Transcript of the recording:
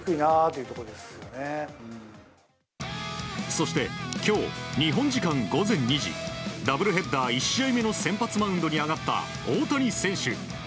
そして、今日日本時間午前２時ダブルヘッダー１試合目の先発マウンドに上がった大谷選手。